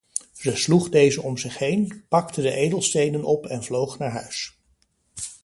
Ze sloeg deze om zich heen, pakte de edelstenen op en vloog naar huis.